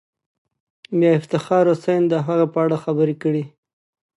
میا افتخار حسین د هغه په اړه خبرې کړې دي.